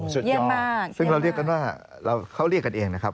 สุดยอดซึ่งเราเรียกกันว่าเขาเรียกกันเองนะครับ